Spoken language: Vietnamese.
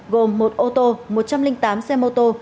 gồm một ô tô một trăm linh tám xe mô tô